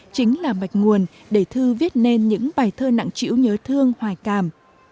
chính là mạch nguồn để thư viết nên những bài thơ nặng chịu nhớ thương hoài càm